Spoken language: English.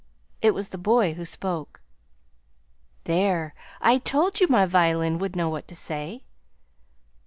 It was the boy who spoke. "There, I told you my violin would know what to say!"